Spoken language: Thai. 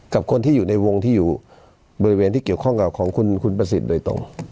กับคนที่อยู่ในวงที่อยู่บริเวณที่เกี่ยวข้องกับของคุณประสิทธิ์โดยตรง